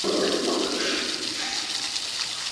زیتون غوړي ولي ګټور دي؟